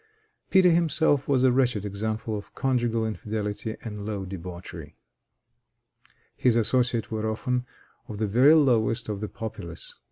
Peter himself was a wretched example of conjugal infidelity and low debauchery. His associates were often of the very lowest of the populace.